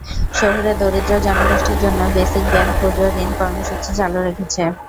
শহুরে দরিদ্র জনগোষ্ঠীর জন্য বেসিক ব্যাংক ক্ষুদ্রঋণ কর্মসূচি চালু রেখেছে।